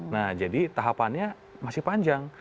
nah jadi tahapannya masih panjang